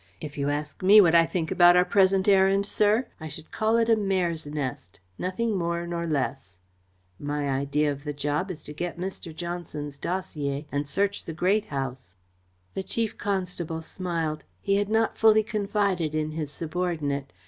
If you ask me what I think about our present errand, sir, I should call it a mare's nest nothing more nor less. My idea of the job is to get Mr. Johnson's dossier and search the Great House." The Chief Constable smiled. He had not fully confided in his subordinate.